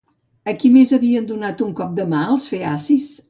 A qui més havien donat un cop de mà els feacis?